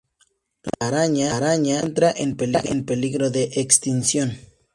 La araña se encuentra en peligro de extinción.